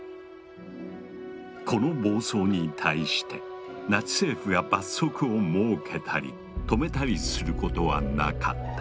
この暴走に対してナチ政府が罰則を設けたり止めたりすることはなかった。